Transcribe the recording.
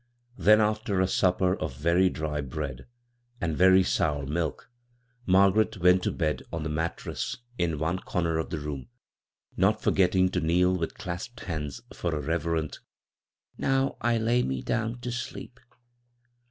Then, after a supper of very dry bread and very sour milk, Margaret went to bed on the mattress 37 b, Google CROSS CURRENTS in one comer of the room, not forge^ng to kneel with dasped hands lor a reverent, " Now 1 lay me down to sleep."